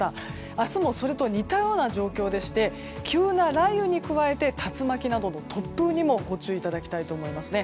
明日もそれと似たような状況でして急な雷雨に加えて竜巻などの突風にもご注意いただきたいと思いますね。